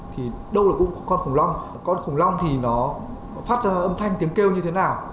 thì đâu là con khủng long con khủng long thì nó phát ra âm thanh tiếng kêu như thế nào